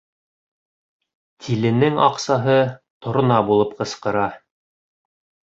Тиленең аҡсаһы торна булып ҡысҡыра.